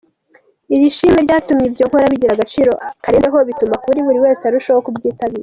Iri shimwe ryatumye ibyo nkora bigira agaciro karenzeho bituma buri wese arushaho kubyitabira.